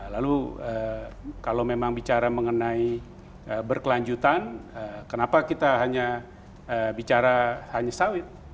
lalu kalau memang bicara mengenai berkelanjutan kenapa kita hanya bicara hanya sawit